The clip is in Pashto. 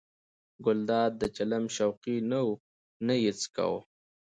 ګلداد د چلم شوقي نه و نه یې څکاوه.